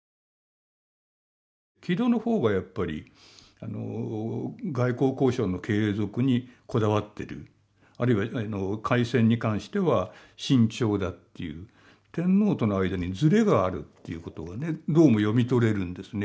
木戸の方がやっぱり外交交渉の継続にこだわってるあるいは開戦に関しては慎重だっていう天皇との間にずれがあるっていうことがねどうも読み取れるんですね。